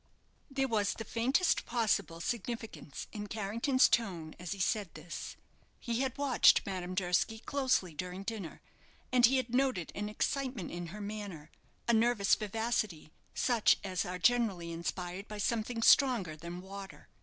There was the faintest possible significance in Carrington's tone as he said this. He had watched Madame Durski closely during dinner, and he had noted an excitement in her manner, a nervous vivacity, such as are generally inspired by something stronger than water.